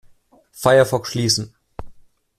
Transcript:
Firefox schließen.